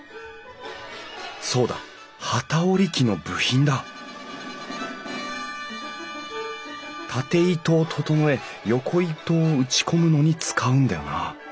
そうだ機織り機の部品だ縦糸を整え横糸を打ち込むのに使うんだよな